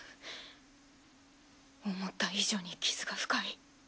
思った以上にキズが深い。